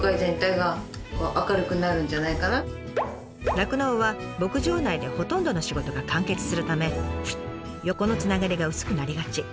酪農は牧場内でほとんどの仕事が完結するため横のつながりが薄くなりがち。